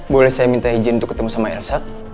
boleh saya minta izin untuk ketemu sama elsa